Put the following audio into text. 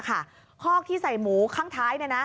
คอกที่ใส่หมูข้างท้าย